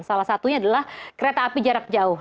salah satunya adalah kereta api jarak jauh